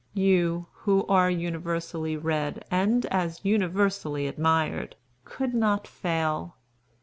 You, who are universally read and as universally admired, could not fail.